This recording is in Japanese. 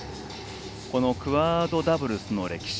このクアードダブルスの歴史